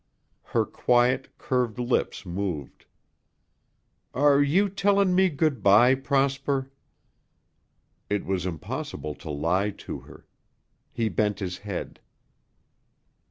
Her quiet, curved lips moved. "Are you tellin' me good bye, Prosper?" It was impossible to lie to her. He bent his head.